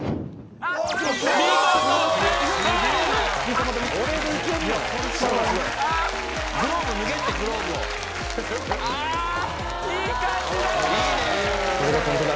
ああいい感じだ